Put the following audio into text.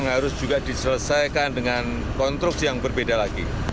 harus juga diselesaikan dengan konstruksi yang berbeda lagi